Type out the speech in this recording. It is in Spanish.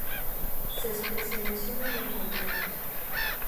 Se especializó en los retratos.